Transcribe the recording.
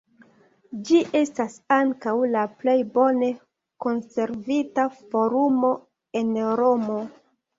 Ĝi estas ankaŭ la plej bone konservita forumo en Romo.